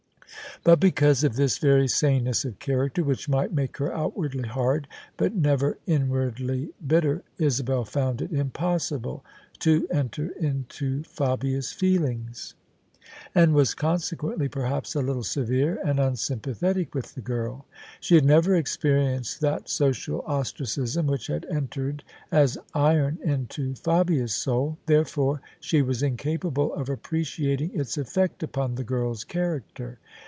But because of this very saneness of character, which might make her outwardly hard but never inwardly bitter, Isabel found it impossible to enter into Fabia's feelings; [29 ] THE SUBJECTION and was consequently perhaps a little severe and unsjnnpa thetic with the girl. She had never experienced that social ostracism which had entered as iron into Fabia's soul : there fore she was incapable of appreciating its eflFect upon the girl's character.